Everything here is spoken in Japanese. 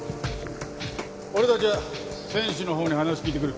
俺たちは選手のほうに話聞いてくる。